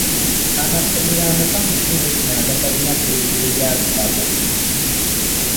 Amasomero ameka mu kiundu kio agatalina tterekero lya bitabo?